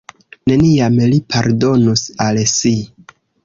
Neniam li pardonus al si.